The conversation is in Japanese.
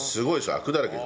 アクだらけだ。